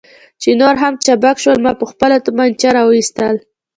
چې نور هم چابک شول، ما خپله تومانچه را وایستل.